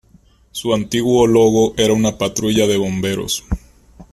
Su antiguo logo era una patrulla de bomberos.